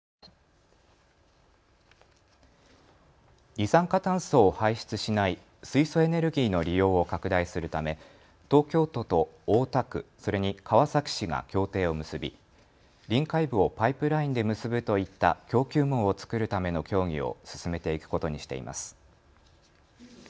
二酸化炭素を排出しない水素エネルギーの利用を拡大するため東京都と大田区、それに川崎市が協定を結び臨海部をパイプラインで結ぶといった供給網を作るための協議を進めていくことにしています。